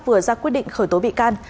vừa ra quyết định khởi tố bị can